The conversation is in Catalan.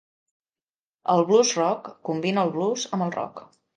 El blues rock combina el blues amb el rock.